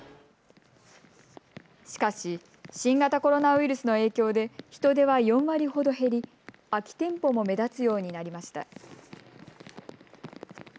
しかし、新型コロナウイルスの影響で人出は４割ほど減り空き店舗も目立つようになりました。